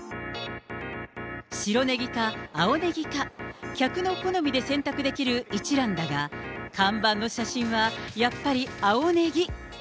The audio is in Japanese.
白ネギか青ネギか、客の好みで選択できる一蘭だが、看板の写真はやっぱり青ネギ。